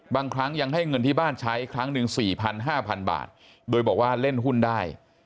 บางครั้งยังให้เงินที่บ้านใช้ครั้งหนึ่ง๔๐๐๕๐๐บาทโดยบอกว่าเล่นหุ้นได้